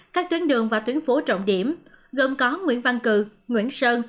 các tuyến đường và tuyến phố trọng điểm gồm có nguyễn văn cử nguyễn sơn